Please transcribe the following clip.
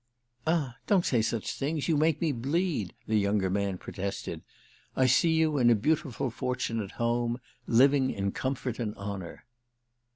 "Ah don't say such things—you make me bleed!" the younger man protested. "I see you in a beautiful fortunate home, living in comfort and honour."